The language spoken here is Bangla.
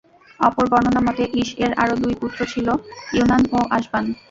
অপর বর্ণনা মতে, ঈস্-এর আরও দুই পুত্র ছিল— ইউনান ও আশবান।